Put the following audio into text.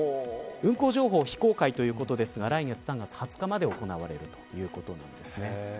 運行情報は非公開ということですが来月３月２０日まで行われるということです。